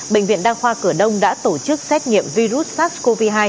bệnh viện đa khoa cửa đông đã tổ chức xét nghiệm virus sars cov hai